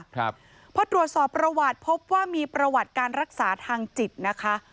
ครับพอตรวจสอบประวัติพบว่ามีประวัติการรักษาทางจิตนะคะ